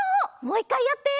もう１かいやって！